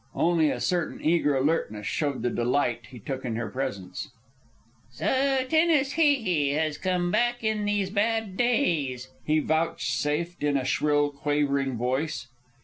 Only a certain eager alertness showed the delight he took in her presence. "So Tenas Hee Hee has come back in these bad days," he vouchsafed in a shrill, quavering voice.